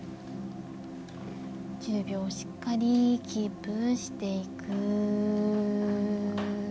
１０秒しっかりキープしていく。